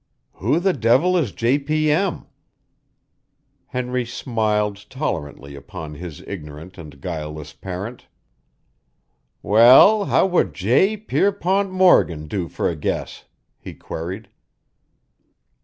"Who the devil is J.P.M.?" Henry smiled tolerantly upon his ignorant and guileless parent. "Well, how would J. Pierpont Morgan do for a guess?" he queried.